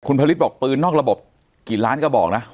ผลิตบอกปืนนอกระบบกี่ล้านกระบอกนะ